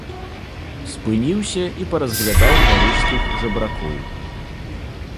Спыніўся і паразглядаў парыжскіх жабракоў.